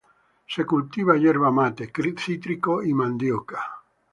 Se cultiva yerba mate, cítricos y mandioca.